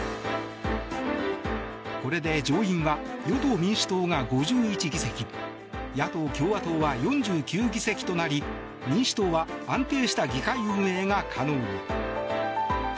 これで上院は与党・民主党が５１議席野党・共和党は４９議席となり民主党は安定した議会運営が可能に。